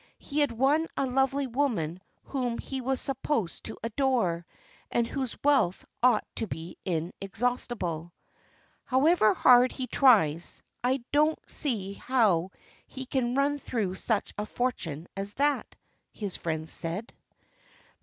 He had won a lovely woman whom he was supposed to adore, and whose wealth ought to be inexhaustible. "However hard he tries, I don't see how he can run through such a fortune as that," his friends said.